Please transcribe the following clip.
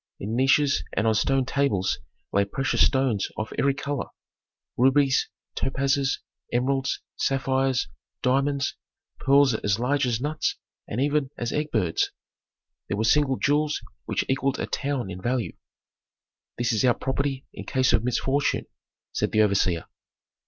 In niches and on stone tables lay precious stones of every color: rubies, topazes, emeralds, sapphires, diamonds, pearls as large as nuts and even as birds' eggs. There were single jewels which equalled a town in value. "This is our property in case of misfortune," said the overseer.